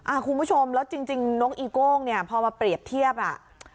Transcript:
คุณผู้ชมแล้วจริงจริงน้องอีโก้งเนี่ยพอมาเปรียบเทียบอ่ะ